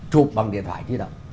chụp bằng điện thoại chứ đâu